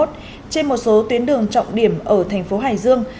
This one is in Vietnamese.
trên một số tuyến đường trọng điểm ở thành phố hải dương